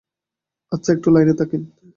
আচ্ছা, একটু লাইনে থাকেন।